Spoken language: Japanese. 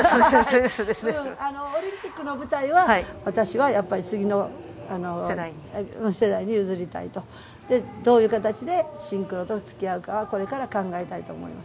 オリンピックの舞台は、私は次の世代に譲りたいと、どういう形でシンクロと付き合うかはこれから考えたいと思います。